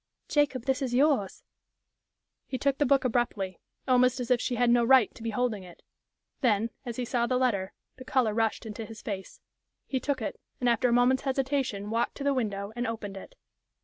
"Jacob, this is yours." He took the book abruptly, almost as if she had no right to be holding it. Then, as he saw the letter, the color rushed into his face. He took it, and after a moment's hesitation walked to the window and opened it.